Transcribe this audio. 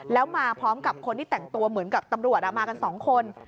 แล้วมาพร้อมกับคนที่แต่งตัวเหมือนกับตำรวจมากัน๒คน